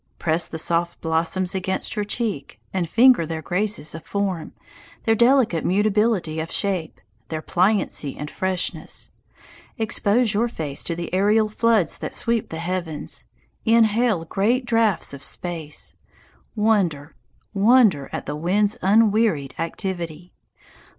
Press the soft blossoms against your cheek, and finger their graces of form, their delicate mutability of shape, their pliancy and freshness. Expose your face to the aerial floods that sweep the heavens, "inhale great draughts of space," wonder, wonder at the wind's unwearied activity.